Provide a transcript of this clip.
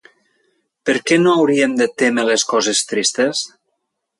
Per què no hauríem de témer les coses tristes?